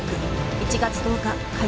１月１０日火曜